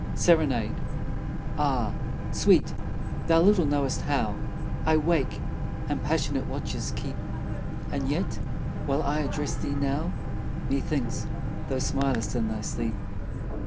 SERENADE. Ah, sweet, thou little knowest how I wake and passionate watches keep; And yet while I address thee now, Methinks thou smilest in thy sleep.